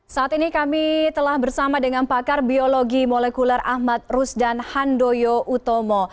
saat ini kami telah bersama dengan pakar biologi molekuler ahmad rusdan handoyo utomo